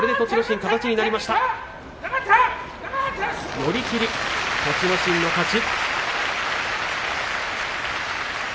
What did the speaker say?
寄り切り、栃ノ心の勝ち。